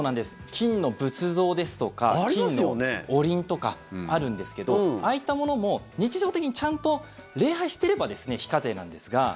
金の仏像ですとか金のおりんとかあるんですけどああいったものも日常的にちゃんと礼拝していれば非課税なんですが。